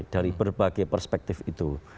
dari berbagai perspektif itu